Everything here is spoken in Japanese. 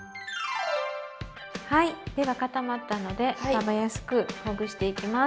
はいでは固まったので食べやすくほぐしていきます。